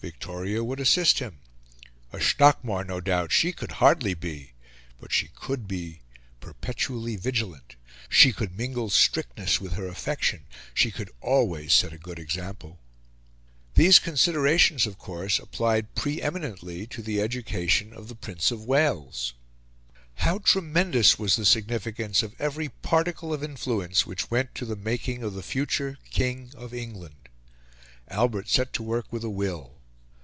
Victoria would assist him; a Stockmar, no doubt, she could hardly be; but she could be perpetually vigilant, she could mingle strictness with her affection, and she could always set a good example. These considerations, of course, applied pre eminently to the education of the Prince of Wales. How tremendous was the significance of every particle of influence which went to the making of the future King of England! Albert set to work with a will.